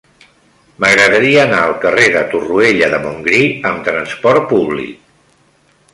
M'agradaria anar al carrer de Torroella de Montgrí amb trasport públic.